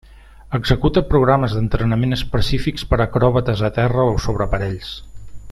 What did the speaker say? Executa programes d'entrenament específics per acròbates a terra o sobre aparells.